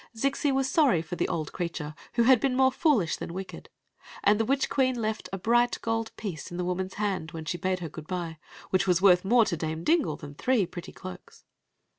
Zixi was sorry for the old crea ture, who had been more foolish than wicked; and Ae witch queen left a bright gold piece in the woman s hand when she bade her good by, which was worth more to Dame Dingle than three pretty cloaks.